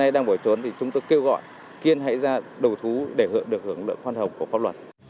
và đối tượng kiên đang bỏ trốn chúng tôi kêu gọi kiên hãy ra đầu thú để được hưởng lợi khoan hồng của pháp luật